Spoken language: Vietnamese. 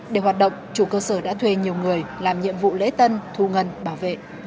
để hoạt động chủ cơ sở đã thuê nhiều người làm nhiệm vụ lễ tân thu ngân bảo vệ